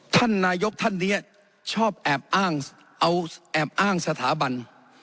ท่านนายกท่านนี้ชอบแอบอ้างเอาแอบอ้างสถาบัน